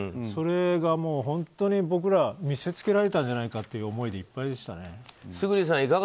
それが本当に僕らは見せつけられたんじゃないかという思いでいっぱいでしたね。